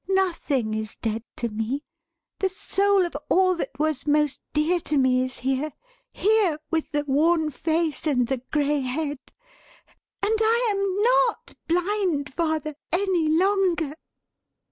Nothing is dead to me. The Soul of all that was most dear to me is here here, with the worn face, and the grey head. And I am NOT blind, father, any longer!"